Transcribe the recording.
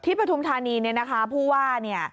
ปฐุมธานีเนี่ยนะคะผู้ว่าเนี่ย